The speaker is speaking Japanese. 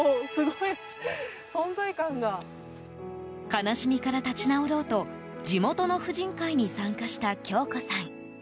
悲しみから立ち直ろうと地元の婦人会に参加した京子さん。